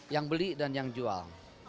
yang beli dan yang jual